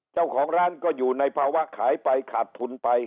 เจ้าของร้านก็อยู่ในภาวะขายไปขาดทุนไป